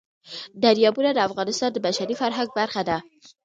دریابونه د افغانستان د بشري فرهنګ برخه ده.